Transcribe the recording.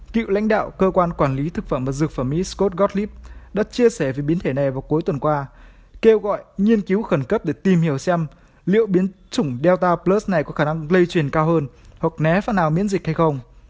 cựu lãnh đạo cơ quan quản lý thực phẩm và dược phẩm miscod gordlib đã chia sẻ về biến thể này vào cuối tuần qua kêu gọi nghiên cứu khẩn cấp để tìm hiểu xem liệu biến chủng delta plus này có khả năng lây truyền cao hơn hoặc né phần nào miễn dịch hay không